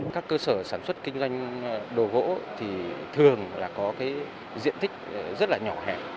các cơ sở sản xuất kinh doanh đồ gỗ thường có diện tích rất nhỏ hẻ